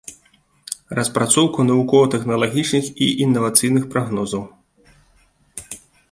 Распрацоўка навукова-тэхналагічных і інавацыйных прагнозаў.